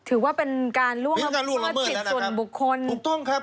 ถือว่าเป็นการล่วงละเมิดแล้วนะครับถูกต้องครับ